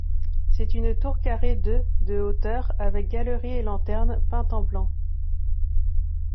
C'est une tour carrée de de hauteur, avec galerie et lanterne, peinte en blanc.